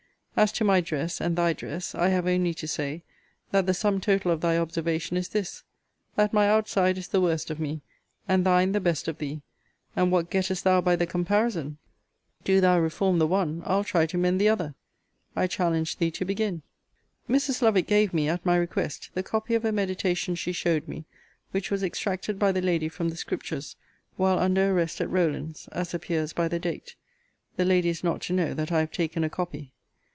As to my dress, and thy dress, I have only to say, that the sum total of thy observation is this: that my outside is the worst of me; and thine the best of thee: and what gettest thou by the comparison? Do thou reform the one, I'll try to mend the other. I challenge thee to begin. Mrs. Lovick gave me, at my request, the copy of a meditation she showed me, which was extracted by the lady from the scriptures, while under arrest at Rowland's, as appears by the date. The lady is not to know that I have taken a copy.